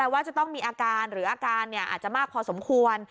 ว่าจะต้องมีอาการหรืออาการอาจจะมากพอสมควร